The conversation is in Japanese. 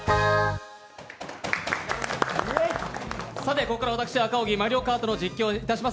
ここから私・赤荻が「マリオカート」の実況をします。